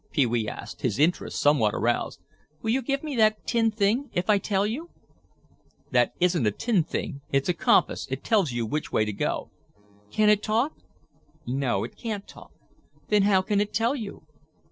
Pee wee asked, his interest somewhat aroused. "Will you give me that tin thing if I tell you?" "That isn't a tin thing, it's a compass, it tells you which way to go." "Can it talk?" "No, it can't talk." "Then how can it tell you?"